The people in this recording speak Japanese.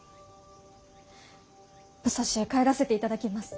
武蔵へ帰らせていただきます。